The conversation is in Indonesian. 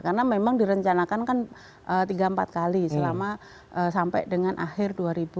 karena memang direncanakan kan tiga empat kali selama sampai dengan akhir dua ribu sembilan belas